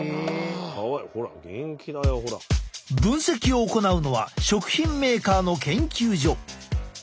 分析を行うのは食品メーカーの研究所。